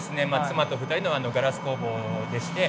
妻と２人のガラス工房でして。